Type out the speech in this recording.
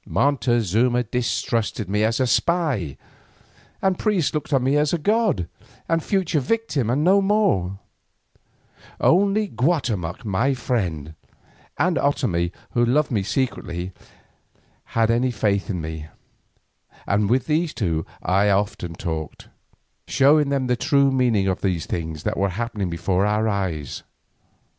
Montezuma distrusted me as a spy, the priests looked on me as a god and future victim and no more, only Guatemoc my friend, and Otomie who loved me secretly, had any faith in me, and with these two I often talked, showing them the true meaning of those things that were happening before our eyes.